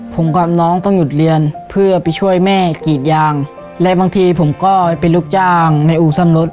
ผมกับน้องต้องหยุดเรียนเพื่อไปช่วยแม่กรีดยางและบางทีผมก็เป็นลูกจ้างในอู่ซ่อมรถ